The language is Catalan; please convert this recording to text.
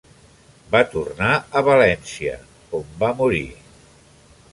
Va tornar a València, on va morir.